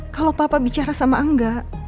kalau papa bicara sama enggak